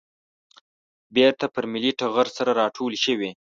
بېرته پر ملي ټغر سره راټولې شوې.